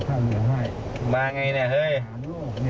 โอ้โฮยาวเลย